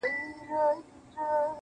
کندهاری زده چي وای پکتيا سره خبرې وکړه,